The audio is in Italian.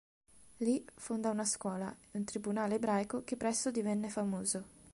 Lì fondò una scuola e un tribunale ebraico che presto divenne famoso.